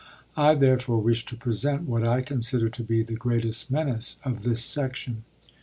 I therefore wish to present what I consider to be the greatest menace of this section.